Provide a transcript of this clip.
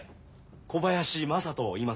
小林雅人いいます。